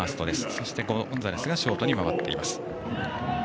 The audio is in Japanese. そしてゴンザレスがショートに回っています。